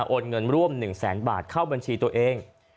โอนเงินร่วม๑แสนบาทเข้าบัญชีตัวเอง